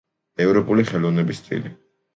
ევროპული ხელოვნების სტილი.